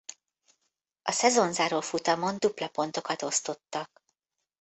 A szezonzáró futamon dupla pontokat osztottak.